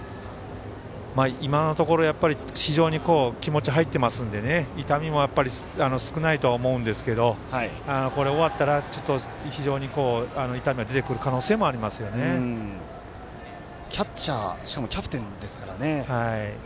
今のところ非常に気持ち入ってますので痛みも少ないとは思うんですけどこれ終わったら、非常に痛みはキャッチャー、しかもキャプテンですからね。